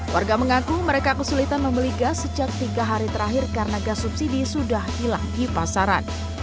warga mengaku mereka kesulitan membeli gas sejak tiga hari terakhir karena gas subsidi sudah hilang di pasaran